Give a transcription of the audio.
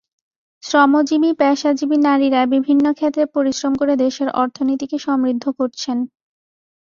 শ্রমজীবী পেশাজীবী নারীরা বিভিন্ন ক্ষেত্রে পরিশ্রম করে দেশের অর্থনীতিকে সমৃদ্ধ করছেন।